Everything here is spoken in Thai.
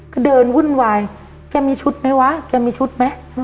ก็เดินวุ่นวายแกมีชุดไหมวะแกมีชุดไหม